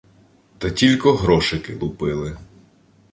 Та тілько грошики лупили